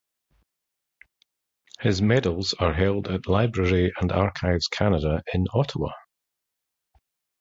His medals are held at Library and Archives Canada in Ottawa.